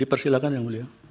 dipersilakan yang mulia